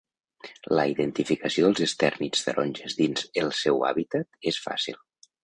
La identificació dels estèrnids taronges dins el seu hàbitat és fàcil.